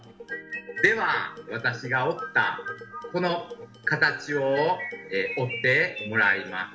では私が折ったこの形を折ってもらいます。